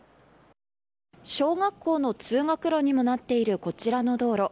小学校の通学路にもなっているこちらの道路。